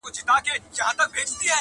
• ذکر عبادت او استغفار کوه په نیمه شپه..